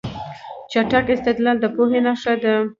چټک استدلال د پوهې نښه ده.